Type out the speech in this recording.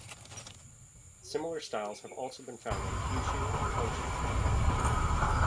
Similar styles have been also found in Kyushu and Honsu, Japan.